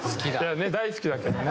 大好きだけどね。